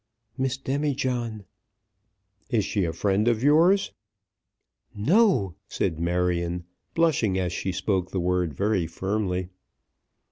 "Miss Demijohn." "Is she a friend of yours?" "No," said Marion, blushing as she spoke the word very firmly.